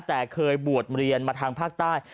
แต่เคยบวชเรียนมาทางภาคใต้